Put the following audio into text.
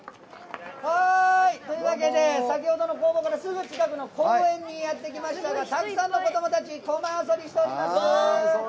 先ほどの工房からすぐ近くの公園にやってきましたがたくさんの子どもたちこま遊びしております。